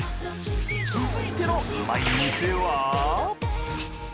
続いてのうまい店は？